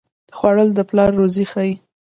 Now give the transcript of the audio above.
خوړل د پلار روزي ښيي